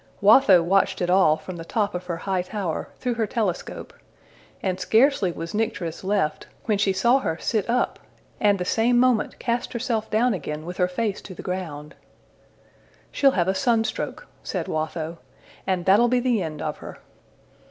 Watho watched it all from the top of her high tower, through her telescope; and scarcely was Nycteris left, when she saw her sit up, and the same moment cast herself down again with her face to the ground. ``She'll have a sunstroke,'' said Watho, ``and that'll be the end of her.''